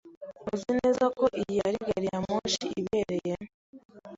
Uzi neza ko iyi ari gari ya moshi ibereye?